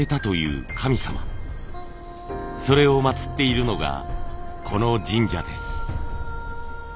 それを祀っているのがこの神社です。